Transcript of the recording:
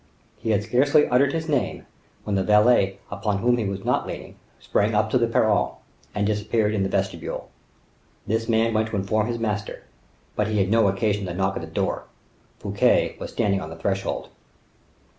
He had scarcely uttered his name, when the valet upon whom he was not leaning, sprang up to the perron, and disappeared in the vestibule. This man went to inform his master; but he had no occasion to knock at the door: Fouquet was standing on the threshold.